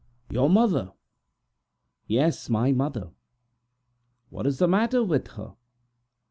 "Your mother?" "Yes, my mother!" "What's the matter with her?"